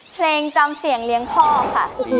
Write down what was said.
เพลงจำเสียงเลี้ยงพ่อค่ะ